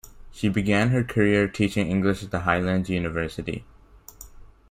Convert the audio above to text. She began her career teaching English at the Highlands University.